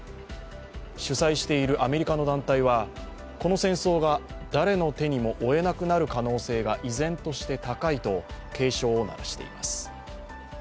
主催しているアメリカの団体はこの戦争が誰の手にも負えなくなる可能性が依然として高いと警鐘を鳴らしています。